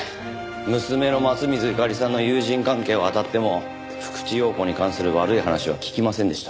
娘の松水友加里さんの友人関係をあたっても福地陽子に関する悪い話は聞きませんでした。